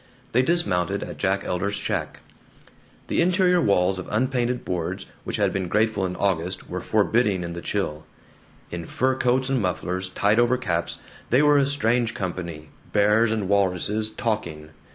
They dismounted at Jack Elder's shack. The interior walls of unpainted boards, which had been grateful in August, were forbidding in the chill. In fur coats and mufflers tied over caps they were a strange company, bears and walruses talking.